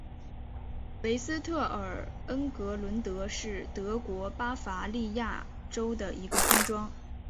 韦斯特尔恩格伦德是德国巴伐利亚州的一个村庄。